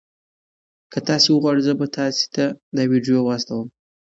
که تاسي وغواړئ زه به تاسي ته دا ویډیو واستوم.